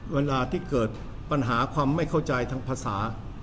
เวลาที่เกิดปัญหาความไม่เข้าใจทางภาษา